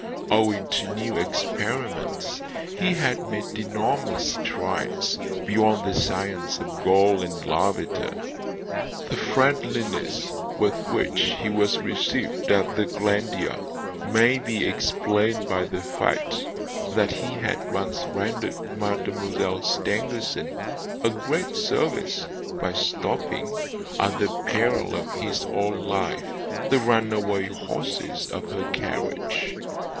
Owing to new experiments, he had made enormous strides beyond the science of Gall and Lavater. The friendliness with which he was received at the Glandier may be explained by the fact that he had once rendered Mademoiselle Stangerson a great service by stopping, at the peril of his own life, the runaway horses of her carriage.